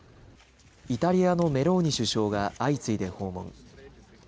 イタリアのメローニ首相が相次いで訪問。